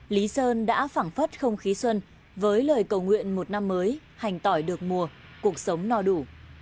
lý sơn đã phẳng phất không khí xuân với lời cầu nguyện một năm mới hành tỏi được mùa cuộc sống no đủ